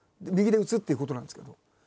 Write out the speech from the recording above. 右で打つ？っていうことなんですけど。